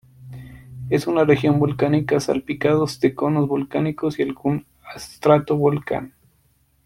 Es una región volcánica salpicados de conos volcánicos y algún estratovolcán.